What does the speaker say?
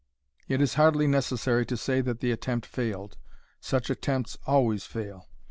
It is hardly necessary to say that the attempt failed. Such attempts always fail.